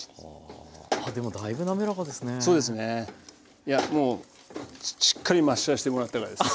いやもうしっかりマッシャーしてもらったからです。